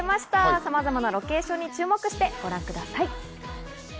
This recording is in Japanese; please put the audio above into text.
さまざまなロケーションに注目してご覧ください。